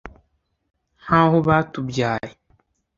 nk’aho batubyaye